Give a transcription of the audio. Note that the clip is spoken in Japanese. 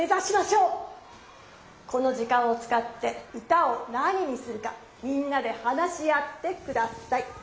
この時間をつかって歌を何にするかみんなで話し合って下さい。